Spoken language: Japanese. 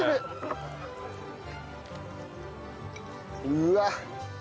うわっ。